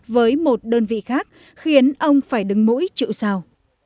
với một đơn vị khác khiến ông phải đứng mũi chịu sao